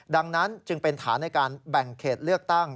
ดังนั้นจึงเป็นฐานในการแบ่งเขตเลือกตั้ง